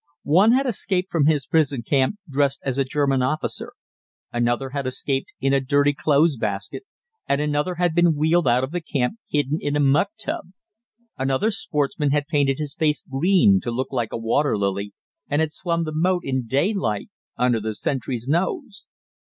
One had escaped from his prison camp dressed as a German officer: another had escaped in a dirty clothes basket, and another had been wheeled out of the camp hidden in a muck tub: another sportsman had painted his face green to look like a water lily and had swum the moat in daylight under the sentry's nose.